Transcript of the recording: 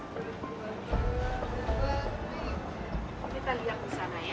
kalau kita lihat di sana ya